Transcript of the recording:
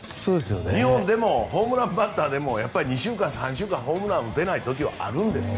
日本でもホームランバッターでも２週間、３週間ホームランを打てない時はあるんです。